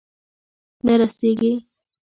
نه رسیږې